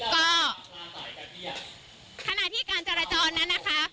ก็ขณะที่การจราจรนั้นนะคะ